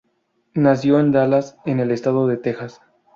Nació en Dallas, en el estado de Texas.